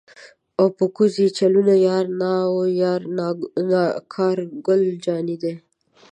او په کوزو یې چلوینه یاره نا وه یاره نا کار ګل جانی دی.